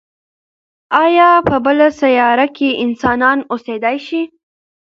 ایا په بله سیاره کې انسانان اوسېدای شي؟